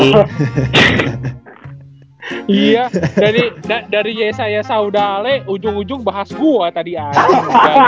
iya dari yesayesaudale ujung ujung bahas gua tadi aja